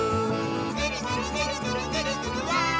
「ぐるぐるぐるぐるぐるぐるわい！」